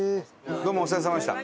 どうもお世話さまでした。